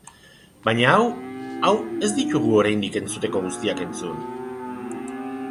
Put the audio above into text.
Baina hau, hau... ez ditugu oraindik entzuteko guztiak entzun.